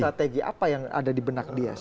strategi apa yang ada di benak dia